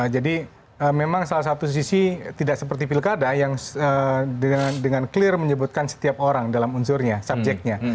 jadi memang salah satu sisi tidak seperti pilkada yang dengan clear menyebutkan setiap orang dalam unsurnya subjeknya